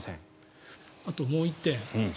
あともう１点。